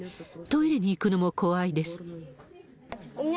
トイレに行くのも怖いです。